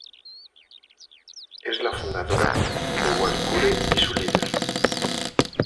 Es la fundadora de Walküre y su líder.